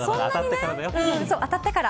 当たってから。